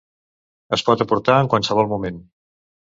Es pot aportar en qualsevol moment.